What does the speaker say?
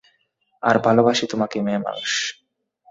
আর ভালোবাসি তোমাকে মেয়ে মানুষ!